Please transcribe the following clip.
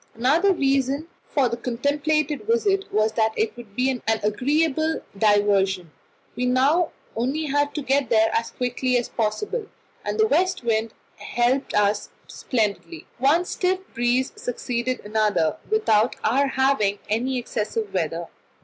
Another reason for the contemplated visit was that it would be an agreeable diversion. We now only had to get there as quickly as possible, and the west wind helped us splendidly; one stiff breeze succeeded another, without our having any excessive weather.